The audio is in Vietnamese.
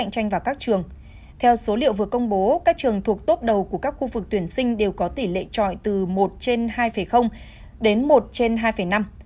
các trường thuộc tốp đầu của các khu vực tuyển sinh đều có tỷ lệ trọi từ một trên hai đến một trên hai năm